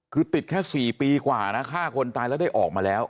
คือติดแค่๔ปีกว่านะฆ่าคนตายแล้วได้ออกมาแล้ว